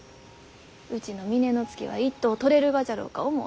うちの峰乃月は一等を取れるがじゃろうか思うて。